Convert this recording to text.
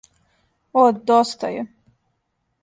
О, доста је!